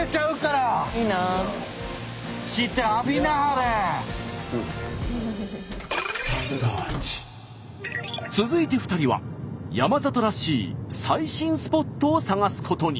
めるる続いて２人は山里らしい最新スポットを探すことに。